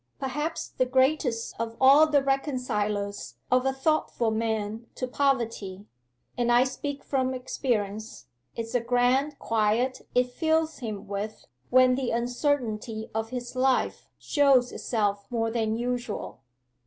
Perhaps the greatest of all the reconcilers of a thoughtful man to poverty and I speak from experience is the grand quiet it fills him with when the uncertainty of his life shows itself more than usual.